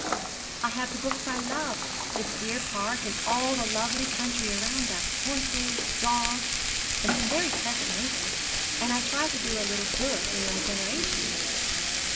'I have the books I love, this dear park, and all the lovely country round us horses dogs and some very pleasant neighbours: and I try to do a little good in my generation.'